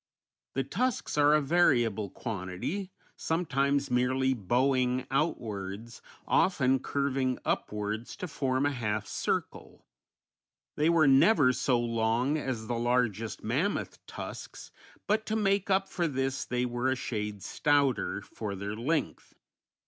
The tusks are a variable quantity, sometimes merely bowing outwards, often curving upwards to form a half circle; they were never so long as the largest mammoth tusks, but to make up for this they were a shade stouter for their length.